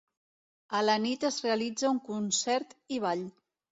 A la nit es realitza un concert i ball.